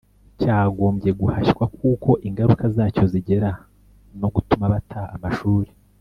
cyagombye guhashywa kuko ingaruka zacyo zigera no gutuma bata amashuri